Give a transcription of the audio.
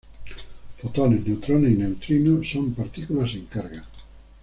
Fotones, neutrones y neutrinos son partículas sin carga.